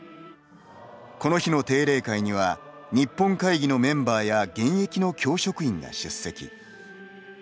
この日の定例会には日本会議のメンバーや現役の教職員が出席。